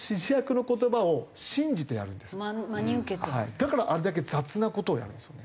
だからあれだけ雑な事をやるんですよね。